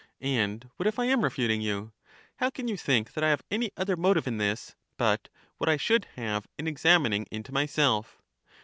And what if I am refuting you? How can you think that I have any other motive in this but what I should have in examining into myself?